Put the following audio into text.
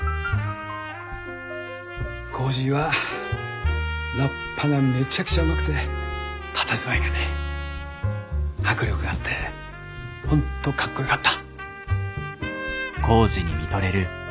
コージーはラッパがめちゃくちゃうまくてたたずまいがね迫力があって本当かっこよかった。